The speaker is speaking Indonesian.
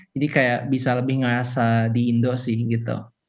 jadi kayak bisa lebih ngerasa di indo sih gitu